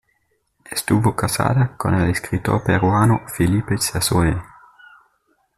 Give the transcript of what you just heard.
Estuvo casada con el escritor peruano Felipe Sassone.